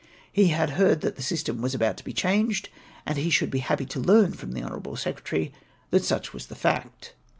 He had heard that the system was about to be changed; and he should be happy to learn from the honourable secretary that such was the fact.